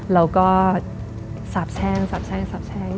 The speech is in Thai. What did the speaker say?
แล้วก็สาบแช่ง